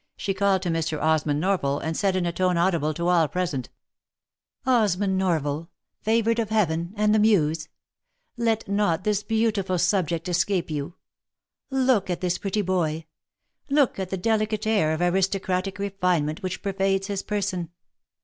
she called to Mr. Osmond Norval, and said in a tone audible to all present, " Os mond Norval ! favoured of Heaven, and the muse ! Let not this beautiful subject escape you ! Look at this pretty boy — look at the delicate air of aristocratic refinement which pervades his person.